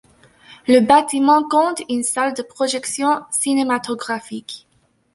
Le bâtiment compte une salle de projection cinématographique.